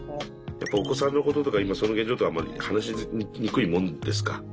やっぱお子さんのこととか今その現状ってあんまり話しにくいもんですか？